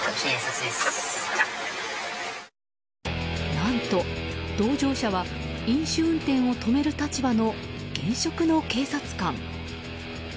何と、同乗者は飲酒運転を止める立場の現職の警察官。